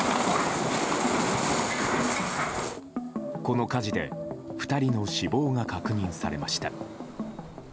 この火事で２人の死亡が確認されました。